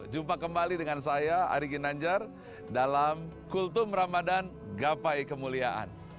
jumpa kembali dengan saya ari ginanjar dalam kultum ramadhan gapai kemuliaan